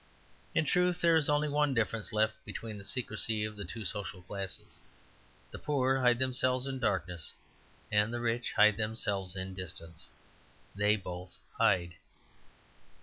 In truth, there is only one difference left between the secrecy of the two social classes: the poor hide themselves in darkness and the rich hide themselves in distance. They both hide.